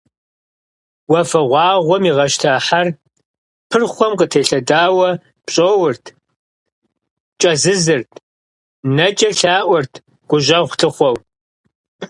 Уафэгъуаугъуэм игъэщта хьэр, пырхъуэм къытелъэдауэ пщӏоурт, кӏэзызырт, нэкӏэ лъаӏуэрт гущӏэгъу лъыхъуэу.